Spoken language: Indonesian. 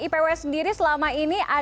ipw sendiri selama ini